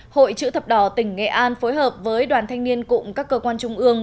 hội chữ thập đỏ tỉnh nghệ an phối hợp với đoàn thanh niên cụm các cơ quan trung ương